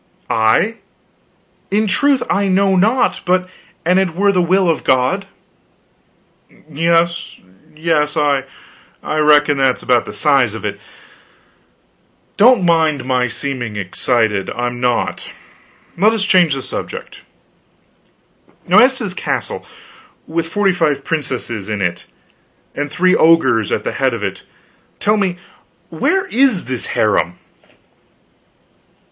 "I? In truth I know not, but an it were the will of God." "Yes, yes, I reckon that's about the size of it. Don't mind my seeming excited; I'm not. Let us change the subject. Now as to this castle, with forty five princesses in it, and three ogres at the head of it, tell me where is this harem?"